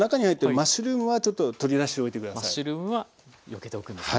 マッシュルームはよけておくんですね。